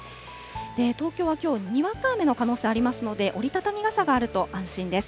東京はきょう、にわか雨の可能性ありますので、折り畳み傘があると安心です。